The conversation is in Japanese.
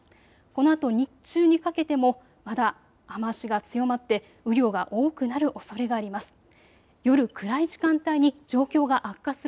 このあと日中にかけてもまだ雨足が強まって雨量が多くなるおそれがあります。